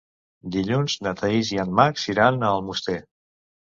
Dilluns na Thaís i en Max iran a Almoster.